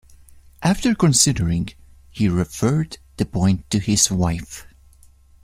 After considering, he referred the point to his wife.